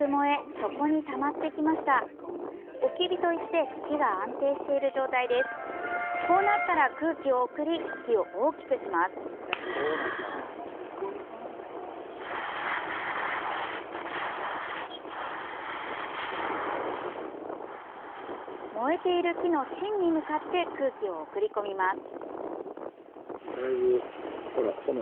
燃えている木の芯に向かって空気を送り込みます。